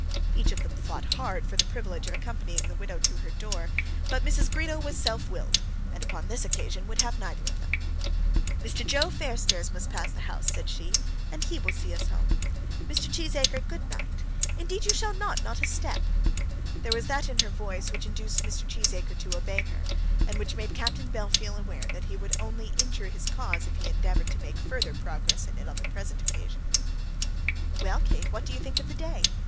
Each of them fought hard for the privilege of accompanying the widow to her door; but Mrs. Greenow was self willed, and upon this occasion would have neither of them. "Mr. Joe Fairstairs must pass the house," said she, "and he will see us home. Mr. Cheesacre, good night. Indeed you shall not; not a step." There was that in her voice which induced Mr. Cheesacre to obey her, and which made Captain Bellfield aware that he would only injure his cause if he endeavoured to make further progress in it on the present occasion. "Well, Kate, what do you think of the day?"